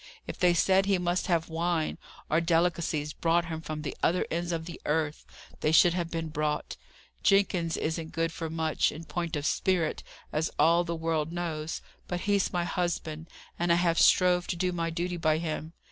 If they said he must have wine, or delicacies brought from the other ends of the earth, they should have been brought. Jenkins isn't good for much, in point of spirit, as all the world knows; but he's my husband, and I have strove to do my duty by him.